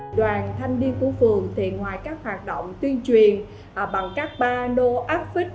đoàn thanh niên của phường thì ngoài các hoạt động tuyên truyền bằng các bà nô áp phích